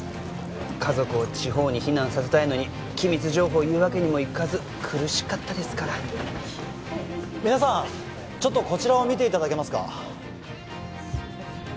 家族を地方に避難させたいのに機密情報を言うわけにもいかず苦しかったですから皆さんちょっとこちらを見ていただけますか